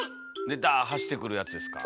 でダーッ走ってくるやつですか。